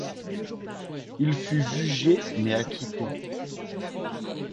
Il fut jugé mais acquitté.